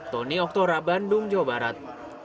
tony oktora bandung jawa barat